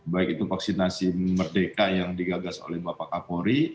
baik itu vaksinasi merdeka yang digagas oleh bapak kapolri